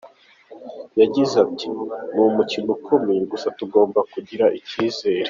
Yagize ati “Ni umukino ukomeye gusa tugomba kugira icyizere.